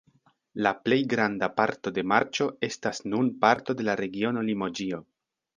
La plej granda parto de Marĉo estas nun parto de la regiono Limoĝio.